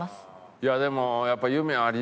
いやでもやっぱ夢ありますよね。